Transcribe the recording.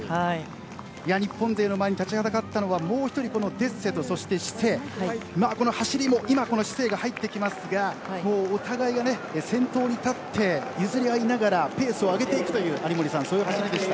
日本勢の前に立ちはだかったのはもう１人、このデッセとそしてシセイ、この走りも今、このシセイが入ってきますがもうお互いが先頭に立って譲り合いながらペースを上げていくという有森さん、そういう走りでした。